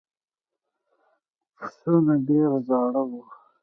بسونه ډېر زاړه و.